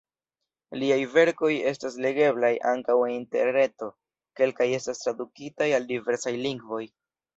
Liaj verkoj estas legeblaj ankaŭ en interreto, kelkaj estas tradukitaj al diversaj lingvoj.